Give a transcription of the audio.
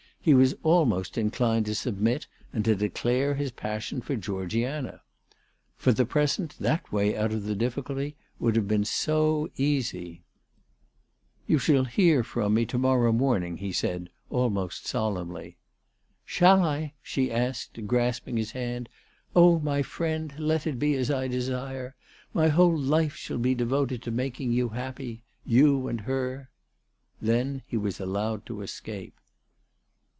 He was almost inclined to submit and to declare his passion for Georgiana. For the present that way out of the difficulty would have been so easy !" You shall hear from me to morrow morning," he said, almost solemnly. "Shall I?" she asked, grasping his hand. "Oh, ALICE DUGDALE. 381 my friend, let it be as I desire. My whole life shall be devoted to making you happy, you and her." Then he was allowed to escape.